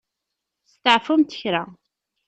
Steɛfumt kra.